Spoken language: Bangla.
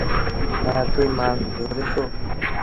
হ্যাঁ, তুমি মাছ ধরেছ।